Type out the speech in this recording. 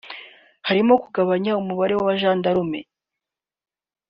harimo kugabanya umubare w’abajandarume